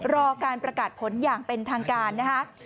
รอการประกาศผลอย่างเป็นทางการนะคะ